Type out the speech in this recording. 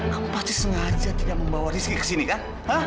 kamu pasti sengaja tidak membawa rizky kesini kan